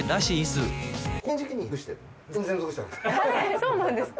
そうなんですか。